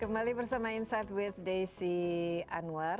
kembali bersama insight with desi anwar